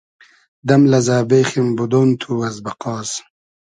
دئم لئزۂ بېخیم بودۉن تو از بئقاس